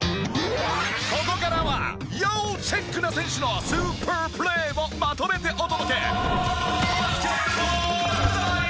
ここからは要チェックな選手のスーパープレーをまとめてお届け！